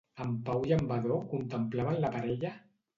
En Pau i en Vadó contemplaven la parella?